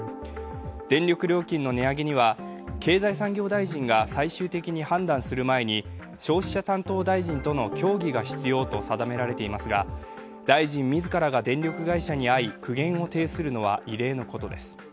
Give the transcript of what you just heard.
電力料金の値上げには経済産業大臣が最終的に判断する前に消費者担当大臣との協議が必要と定められていますが、大臣自らが電力会社に会い苦言を呈するのは異例のことです。